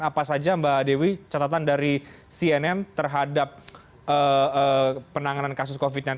apa saja mbak dewi catatan dari cnn terhadap penanganan kasus covid sembilan belas